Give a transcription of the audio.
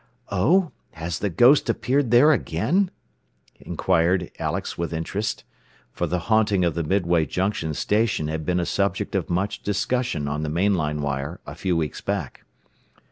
"Oh, has the 'ghost' appeared there again?" inquired Alex with interest. For the "haunting" of the Midway Junction station had been a subject of much discussion on the main line wire a few weeks back.